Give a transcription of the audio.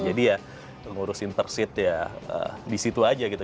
jadi ya ngurusin persid ya di situ aja gitu